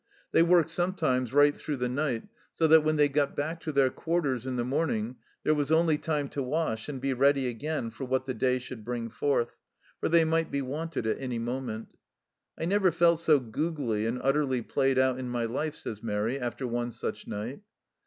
They worked sometimes right through the night, so that when they got back to their quarters in the morning there was only time to wash and be ready again for what the day should bring forth, for they might be wanted at any moment. " I never felt so googly and utterly played out in my life," says Mairi after one such night.